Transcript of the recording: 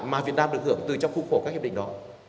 mà việt nam được hưởng từ trong khung khổ các hiệp định đó